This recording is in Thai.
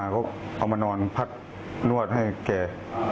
เขาเอามานอนพักนวดให้แก